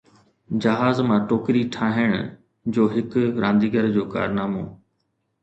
جهاز مان ٽوڪري ٺاهڻ جو هڪ رانديگر جو ڪارنامو